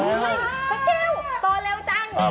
สเกลโตเร็วจัง